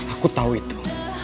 aku tau itu